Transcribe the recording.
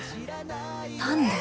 何で？